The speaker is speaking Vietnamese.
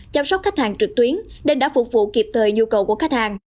chăm sóc khách hàng trực tuyến nên đã phục vụ kịp thời nhu cầu của khách hàng